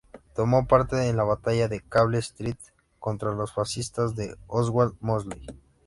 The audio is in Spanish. Tomó parte en la Batalla de Cable Street contra los fascistas de Oswald Mosley.